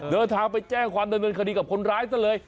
เดินทางไปแจ้งความดำเนินคดีกับคนร้ายซะเลย